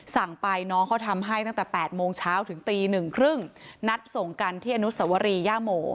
สั่งไปน้องเขาทำให้ตั้งแต่๘โมงเช้าถึงตีหนึ่งครึ่งนัดส่งกันที่อนุสวรีย่าโม